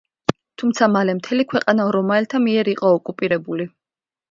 თუმცა მალე მთელი ქვეყანა რომაელთა მიერ იყო ოკუპირებული.